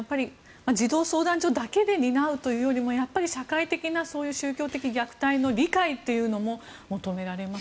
児童相談所だけで担うよりもやっぱり社会的な宗教的虐待の理解というのも求められますね。